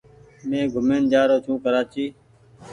مين گھومين جآ رو ڇون ڪرآچي ۔